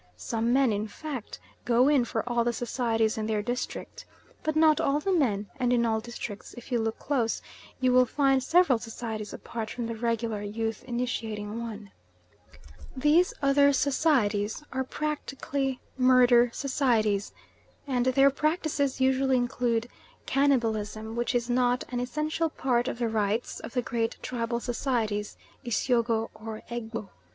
Some men, in fact, go in for all the societies in their district, but not all the men; and in all districts, if you look close, you will find several societies apart from the regular youth initiating one. These other societies are practically murder societies, and their practices usually include cannibalism, which is not an essential part of the rites of the great tribal societies, Isyogo or Egbo.